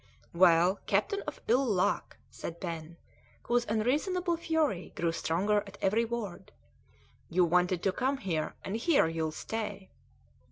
"Well, captain of ill luck," said Pen, whose unreasonable fury grew stronger at every word; "you wanted to come here, and here you'll stay."